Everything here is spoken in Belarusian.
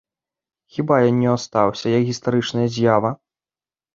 Хіба ён не астаўся, як гістарычная з'ява?